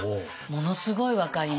ものすごい分かります。